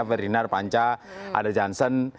verinar panca ada jansen